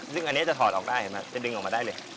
ซึ่งอันนี้จะถอดออกได้เห็นไหมจะดึงออกมาได้เลย